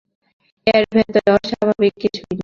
এর ভেতরে অস্বাভাবিক কিছুই নেই।